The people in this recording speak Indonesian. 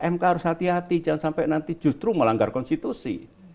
mk harus hati hati jangan sampai nanti justru melanggar konstitusi